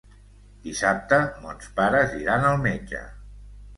Dissabte mons pares iran al metge.